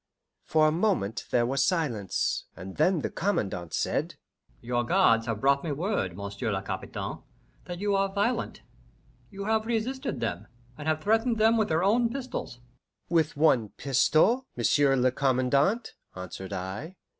For a moment there was silence, and then the Commandant said, "Your guards have brought me word, Monsieur le Capitaine, that you are violent. You have resisted them, and have threatened them with their own pistols." "With one pistol, monsieur le commandant," answered I.